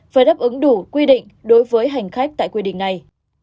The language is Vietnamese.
phải đáp ứng đủ quy định đối với hành khách tại quy định này